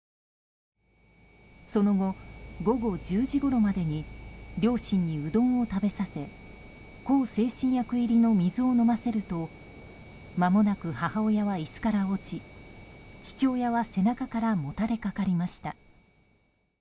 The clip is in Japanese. その後、午後１０時ごろまでに両親にうどんを食べさせ向精神薬入りの水を飲ませるとまもなく母親は椅子から落ち父親は背中からもたれかかりました。